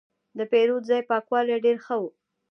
د پیرود ځای پاکوالی ډېر ښه و.